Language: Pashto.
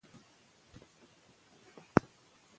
موږ د پښتو ژبې د ودې لپاره کار کوو.